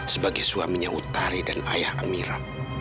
sebagai suaminya utari dan ayah amira